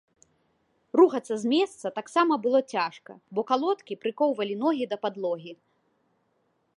Рухацца з месца таксама было цяжка, бо калодкі прыкоўвалі ногі да падлогі.